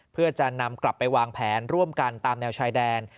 เพื่อจะนำกลับไปวางแผนร่วมกันตามแนวชายแดน